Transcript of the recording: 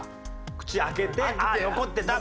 口開けて「ああ残ってた」